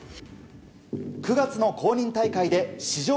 ９月の公認大会で史上